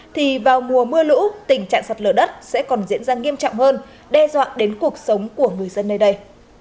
thì vào mùa mưa lũ tình trạng sạt lở đất sẽ còn diễn ra nghiêm trọng hơn đe dọa đến cuộc sống của người dân nơi đây